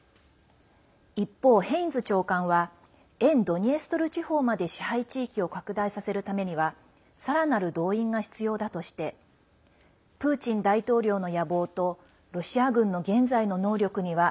一方、ヘインズ長官は沿ドニエストル地方まで支配地域を拡大させるためにはさらなる動員が必要だとしてプーチン大統領の野望とロシア軍の現在の能力には